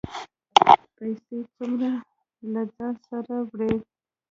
پیسې څومره له ځانه سره وړئ؟